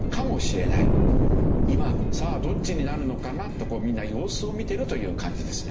今さあどっちになるのかな？とみんな様子を見てるという感じですね。